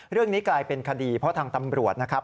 เรื่องนี้กลายเป็นคดีเพราะทางตำรวจนะครับ